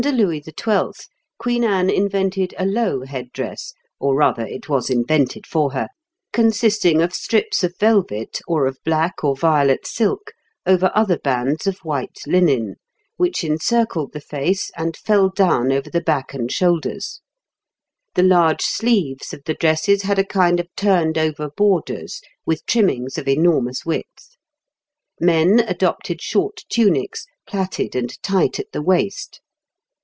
427 and 428). Under Louis XII., Queen Anne invented a low head dress or rather it was invented for her consisting of strips of velvet or of black or violet silk over other bands of white linen, which encircled the face and fell down over the back and shoulders; the large sleeves of the dresses had a kind of turned over borders, with trimmings of enormous width. Men adopted short tunics, plaited and tight at the waist.